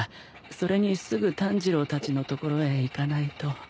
それにすぐ炭治郎たちの所へ行かないと。